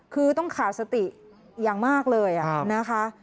คือต้องขาดสติอย่างมากเลยนะคะ